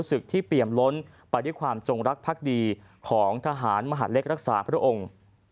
ศึกที่เปี่ยมล้นไปด้วยความจงรักภักดีของทหารมหาดเล็กรักษาพระองค์